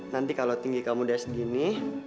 nanti kalau tinggi kamu udah segini